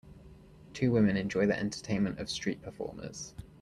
Two women enjoy the entertainment of street performers.